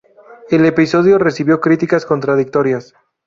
El episodio recibió críticas contradictorias.